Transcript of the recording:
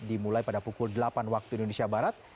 dimulai pada pukul delapan waktu indonesia barat